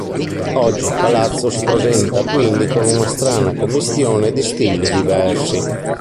Oggi il palazzo si presenta quindi con una strana commistione di stili diversi.